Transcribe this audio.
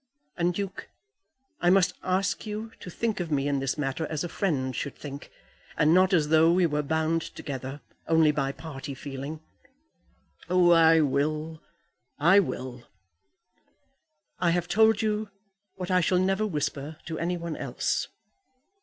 And, Duke, I must ask you to think of me in this matter as a friend should think, and not as though we were bound together only by party feeling." "I will, I will." "I have told you what I shall never whisper to any one else."